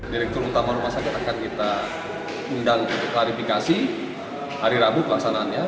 direktur utama rumah sakit akan kita undang untuk klarifikasi hari rabu pelaksanaannya